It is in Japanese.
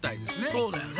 そうだよね。